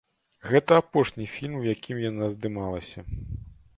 Гэта апошні фільм, у якім яна здымалася.